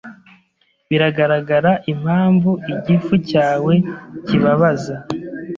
Biragaragara impamvu igifu cyawe kibabaza.